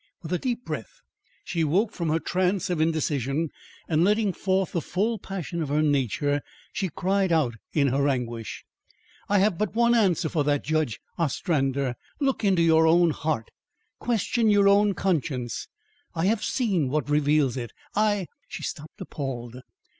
With a deep breath she woke from her trance of indecision and letting forth the full passion of her nature, she cried out in her anguish: "I have but one answer for that, Judge Ostrander. Look into your own heart! Question your own conscience. I have seen what reveals it. I " She stopped appalled.